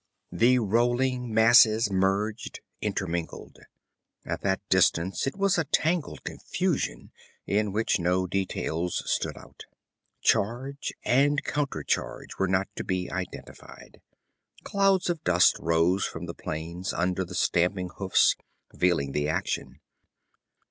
The rolling masses merged, intermingled; at that distance it was a tangled confusion in which no details stood out. Charge and counter charge were not to be identified. Clouds of dust rose from the plains, under the stamping hoofs, veiling the action.